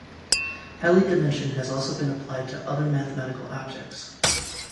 Helly dimension has also been applied to other mathematical objects.